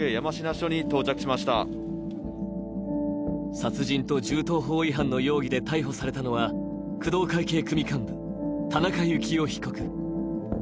殺人と銃刀法違反の容疑で逮捕されたのは、工藤会系組幹部田中幸雄被告。